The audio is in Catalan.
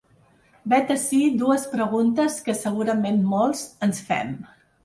Vet ací dues preguntes que segurament molts ens fem.